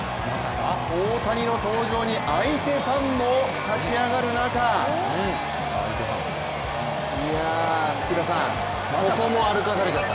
大谷の登場に相手ファンも立ち上がる中、福田さんここも歩かされちゃう。